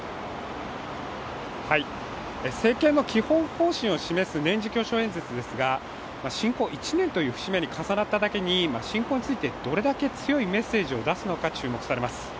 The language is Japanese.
政権の基本方針を示す年次教書演説ですが侵攻１年という節目に重なっただけに侵攻について、どれだけ強いメッセージを出すのか注目されます。